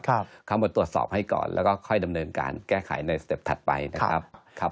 เข้ามาตรวจสอบให้ก่อนแล้วก็ค่อยดำเนินการแก้ไขในสเต็ปถัดไปนะครับ